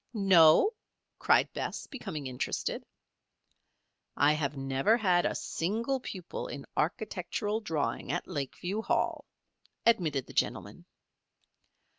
"No?" cried Bess, becoming interested. "I have never had a single pupil in architectural drawing at Lakeview Hall," admitted the gentleman.